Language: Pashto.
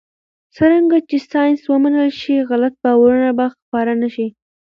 څرنګه چې ساینس ومنل شي، غلط باورونه به خپاره نه شي.